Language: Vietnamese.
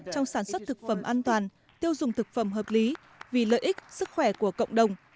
trong sản xuất thực phẩm an toàn tiêu dùng thực phẩm hợp lý vì lợi ích sức khỏe của cộng đồng